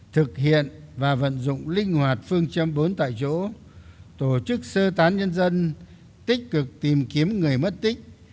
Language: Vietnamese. thực hiện và vận dụng linh hoạt phương châm bốn tại chỗ tổ chức sơ tán nhân dân tích cực tìm kiếm người mất tích